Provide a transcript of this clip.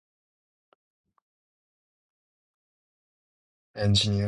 Engeenier.